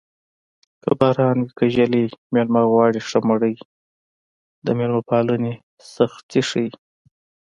که باران وي که ږلۍ مېلمه غواړي ښه مړۍ د مېلمه پالنې سختي ښيي